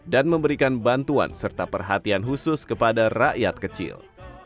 dan memberikan bantuan serta perhatian khusus kepada rakyat kecil